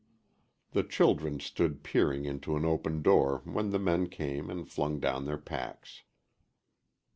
The children stood peering into an open door when the men came and flung down their packs.